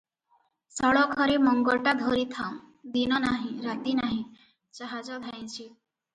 ସଳଖରେ ମଙ୍ଗଟା ଧରିଥାଉଁ, ଦିନ ନାହିଁ, ରାତି ନାହିଁ, ଜାହାଜ ଧାଇଁଛି ।